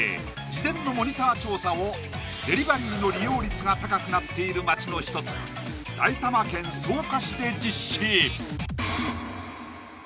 事前のモニター調査をデリバリーの利用率が高くなっている街の一つ埼玉県草加市で実施